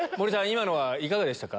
今のはいかがでしたか？